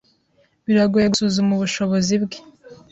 Biragoye gusuzuma ubushobozi bwe.